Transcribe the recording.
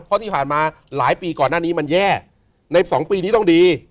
เพราะที่ผ่านมาหลายปีก่อนหน้านี้มันแย่ใน๒ปีนี้ต้องดี